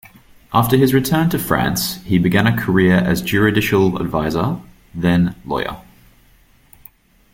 After his return to France, he began a career as juridical advisor, then lawyer.